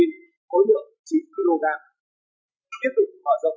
nhận định thời cơ phá án đã đến